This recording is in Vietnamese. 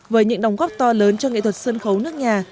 với những đóng góp to lớn cho nghệ thuật sân khấu nước nhà